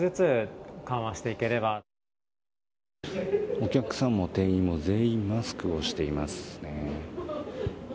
お客さんも店員も全員マスクをしていますね。